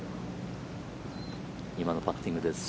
今のパッティングです。